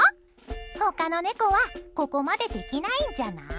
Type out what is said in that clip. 他の猫はここまでできないんじゃない？